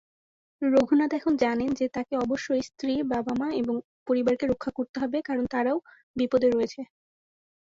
রঘুনাথ এখন জানেন যে তাকে অবশ্যই স্ত্রী, বাবা-মা এবং পরিবারকে রক্ষা করতে হবে, কারণ তারাও বিপদে রয়েছে।